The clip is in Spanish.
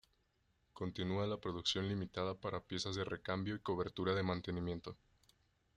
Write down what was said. Continúa la producción limitada para piezas de recambio y cobertura de mantenimiento.